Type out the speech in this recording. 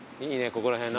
ここら辺。